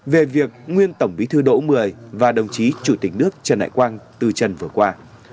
về việc nguyên tổng bí thư đỗ mười và đồng chí chủ tịch nước trần đại quang từ trần vừa qua